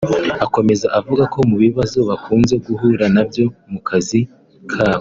Akomeza avuga ko mu bibazo bakunze guhura na byo mu kazi kabo